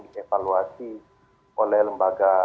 dievaluasi oleh lembaga